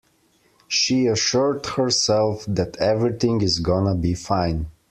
She assured herself that everything is gonna be fine.